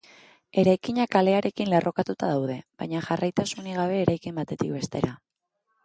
Eraikinak kalearekin lerrokatuta daude, baina jarraitasunik gabe eraikin batetik bestera.